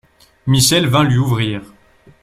Michelle vint lui ouvrir.